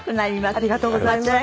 ありがとうございます。